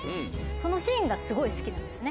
そのシーンがすごい好きなんですね。